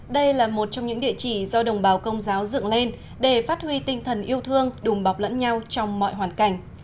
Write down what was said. đây là một trong những địa chỉ do đồng bào công giáo dựng lên để phát huy tinh thần yêu thương đùm bọc lẫn nhau trong mọi hoàn cảnh